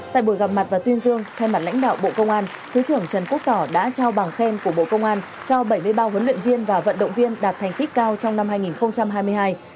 tại buổi gặp mặt và tuyên dương thay mặt lãnh đạo bộ công an thứ trưởng trần quốc tỏ đã trao bằng khen của bộ công an cho bảy mươi ba huấn luyện viên và vận động viên đạt thành tích cao trong năm hai nghìn hai mươi hai